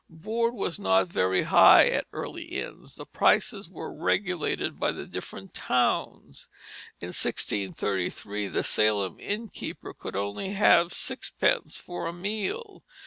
Board was not very high at early inns; the prices were regulated by the different towns. In 1633 the Salem innkeeper could only have sixpence for a meal.